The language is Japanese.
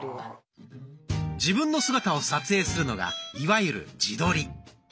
自分の姿を撮影するのがいわゆる「自撮り」。